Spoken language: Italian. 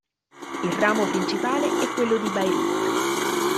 Il ramo principale è quello di Beirut.